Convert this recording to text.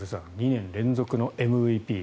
２年連続のＭＶＰ。